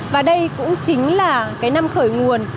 và đây cũng chính là cái năm khởi nguồn